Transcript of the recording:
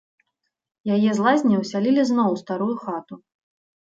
Яе з лазні ўсялілі зноў у старую хату.